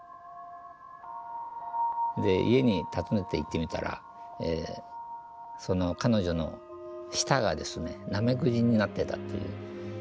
で家に訪ねていってみたらその彼女の舌がですねナメクジになってたという。